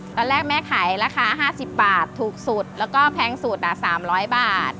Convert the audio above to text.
ตอนแรกแม่ขายราคา๕๐บาทถูกสุดแล้วก็แพงสุด๓๐๐บาท